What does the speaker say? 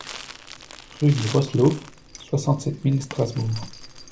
RUE DU ROSSLAUF, soixante-sept mille Strasbourg